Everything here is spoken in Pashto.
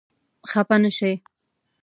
خپه نه شې؟